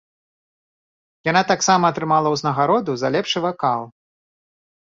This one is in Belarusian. Яна таксама атрымала ўзнагароду за лепшы вакал.